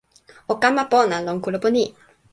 o kama pona lon kulupu ni.